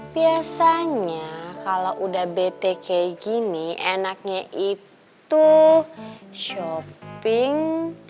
biasanya kalau udah bete kayak gini enaknya itu shopping